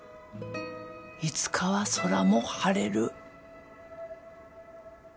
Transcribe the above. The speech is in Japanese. いつかは空も晴れる。